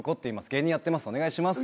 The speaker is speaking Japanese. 芸人やってますお願いします。